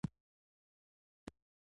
احمد ډېر بې ايمانه سړی دی.